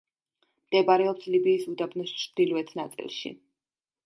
მდებარეობს ლიბიის უდაბნოს ჩრდილოეთ ნაწილში.